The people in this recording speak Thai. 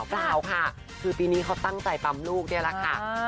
เปล่าค่ะคือปีนี้เขาตั้งใจปั๊มลูกนี่แหละค่ะ